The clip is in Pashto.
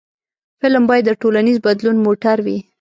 فلم باید د ټولنیز بدلون موټر وي